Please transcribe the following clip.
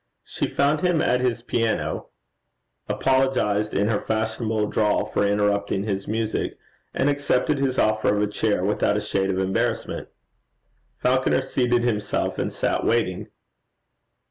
She found him at his piano, apologized, in her fashionable drawl, for interrupting his music, and accepted his offer of a chair without a shade of embarrassment. Falconer seated himself and sat waiting.